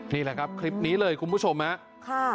นี่แหละครับคลิปนี้เลยคุณผู้ชมครับ